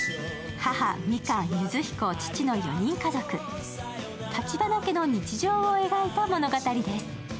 母、みかん、ユズヒコ、父の４人家族タチバナ家の日常を描いた物語です。